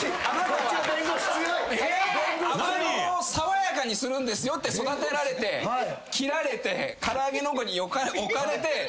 揚げ物を爽やかにするんですよって育てられて切られて唐揚げの横に置かれて。